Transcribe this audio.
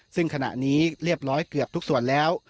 ซึ่งขณะนี้เรียบร้อยเกือบทุกส่วนแล้ว